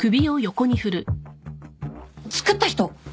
作った人？